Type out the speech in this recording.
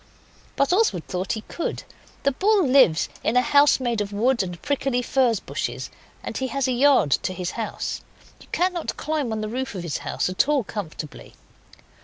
But Oswald thought he could. The bull lives in a house made of wood and prickly furze bushes, and he has a yard to his house. You cannot climb on the roof of his house at all comfortably.